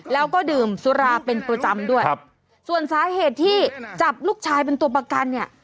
แล้วก็ดื่มสุราเป็นประจำด้วยครับส่วนสาเหตุที่จับลูกชายเป็นตัวประกันเนี่ย